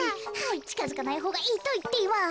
ちかづかないほうがいいといっています。